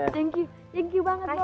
thank you thank you banget